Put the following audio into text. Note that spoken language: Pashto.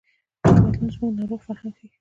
دا بدلون زموږ ناروغ فرهنګ ښيي.